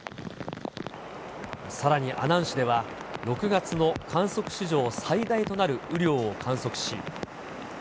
さらに阿南市では、６月の観測史上最大となる雨量を観測し。